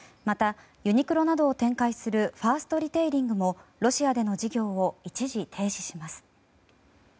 また、ユニクロなどを展開するファーストリテイリングもロシアでの事業を一時停止します。